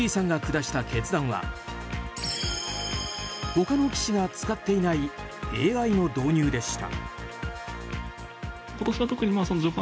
そこで藤井さんが下した決断は他の棋士が使っていないＡＩの導入でした。